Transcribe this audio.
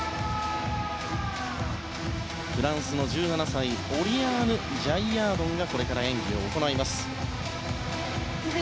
フランスの１７歳オリアーヌ・ジャイヤードンがこれから演技を行います。